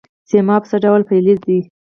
سیماب څه ډول فلز دی؟